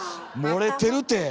漏れてるて！